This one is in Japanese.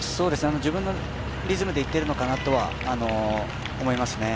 自分のリズムでいけるのかなとは思います。